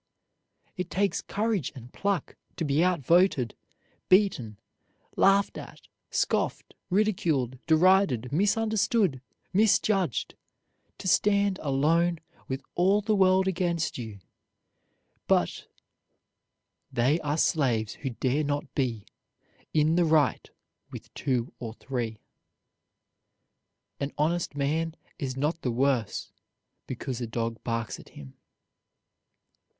It takes courage and pluck to be outvoted, beaten, laughed at, scoffed, ridiculed, derided, misunderstood, misjudged, to stand alone with all the world against you, but "They are slaves who dare not be In the right with two or three." "An honest man is not the worse because a dog barks at him."